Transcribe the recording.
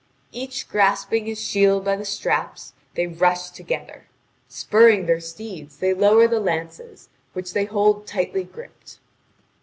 Each grasping his shield by the straps, they rush together. Spurring their steeds, they lower the lances, which they hold tightly gripped.